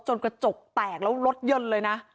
กระจกแตกแล้วรถยนต์เลยนะ